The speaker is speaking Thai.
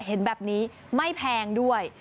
เห็นแบบนี้ไม่แพงด้วย